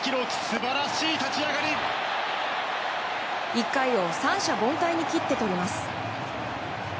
１回を三者凡退に切って取ります。